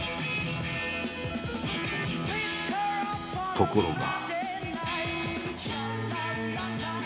ところが。